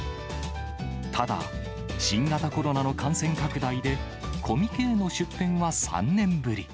ただ、新型コロナの感染拡大で、コミケへの出店は３年ぶり。